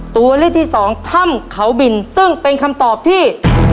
ตัวเลือกที่สองถ้ำเขาบินซึ่งเป็นคำตอบที่